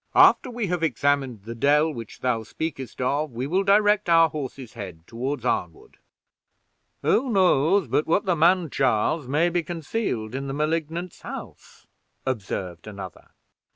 After we have examined the dell which thou speakest of, we will direct our horses' heads toward Arnwood." "Who knows but what the man Charles may be concealed in the Malignant's house?" observed another.